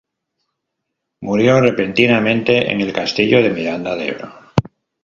Murió repentinamente en el castillo de Miranda de Ebro.